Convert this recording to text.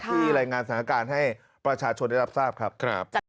รายงานสถานการณ์ให้ประชาชนได้รับทราบครับ